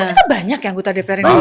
kalau kita banyak ya anggota dpr indonesia